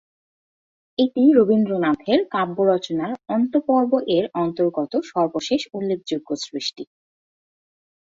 এটি রবীন্দ্রনাথের কাব্য রচনার "অন্ত্যপর্ব"-এর অন্তর্গত সর্বশেষ উল্লেখযোগ্য সৃষ্টি।